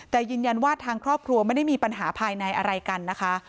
แต่ยืนยันว่าทางครอบครัวไม่ได้มีปัญหาภายในอะไรกันนะคะ